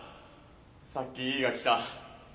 さっき怡が来た。